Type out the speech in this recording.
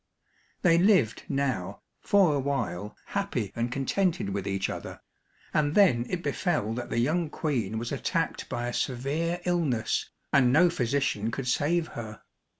They lived now for a while happy and contented with each other, and then it befell that the young Queen was attacked by a severe illness, and no physician could save her.